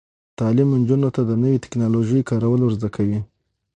تعلیم نجونو ته د نوي ټیکنالوژۍ کارول ور زده کوي.